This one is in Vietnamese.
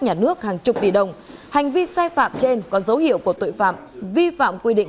nhà nước hàng chục tỷ đồng hành vi sai phạm trên có dấu hiệu của tội phạm vi phạm quy định